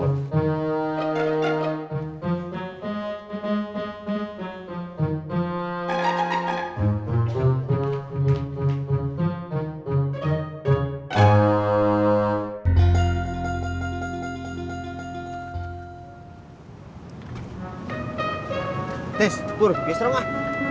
tis tur biasa dong ah